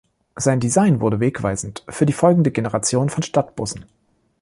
Sein Design wurde wegweisend für die folgende Generation von Stadtbussen.